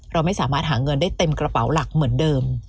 เราไม่สามารถหาเงินได้เต็มกระเป๋าหลักเหมือนเดิม